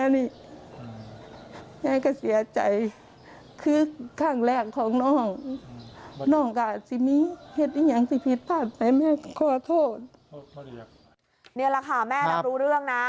นี่แหละค่ะแม่รับรู้เรื่องนะ